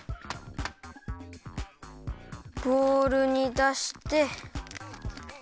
ボウルにだして。